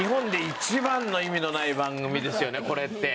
これって。